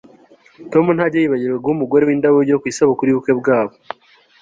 Tom ntajya yibagirwa guha umugore we indabyo ku isabukuru yubukwe bwabo